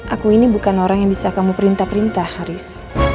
aku ini bukan orang yang bisa kamu perintah perintah haris